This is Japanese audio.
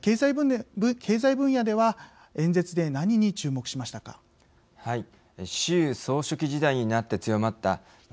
経済分野では演説で何に注目しましたか。